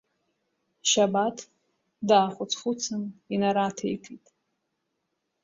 Шьабаҭ даахәыц-хәыцын инараҭеикит…